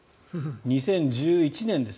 ２０１１年です。